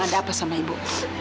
ada apa sama ibu